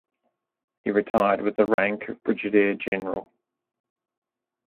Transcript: He retired with the rank of Brigadier General.